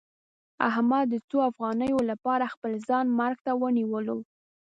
احمد د څو افغانیو لپاره خپل ځان مرګ ته ونیولو.